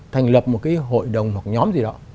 thành lập một cái hội đồng hoặc nhóm gì đó